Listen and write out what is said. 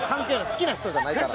好きな人じゃないから。